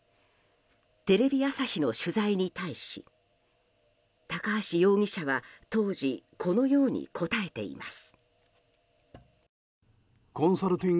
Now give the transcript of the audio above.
テレビ朝日の取材に対し高橋容疑者は当時このように答えています。